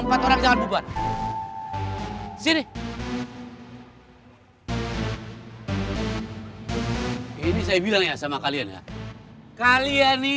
aduh gimana ini anak anak ini